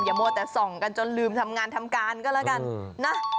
มัวแต่ส่องกันจนลืมทำงานทำการก็แล้วกันนะ